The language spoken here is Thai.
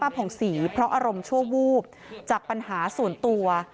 ค่าป้าผมสีเพราะอารมณ์โชววูบจากปัญหาส่วนตัว